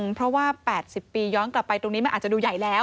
เพราะว่า๘๐ปีย้อนกลับไปตรงนี้มันอาจจะดูใหญ่แล้ว